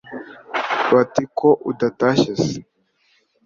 Bati ko udatashye se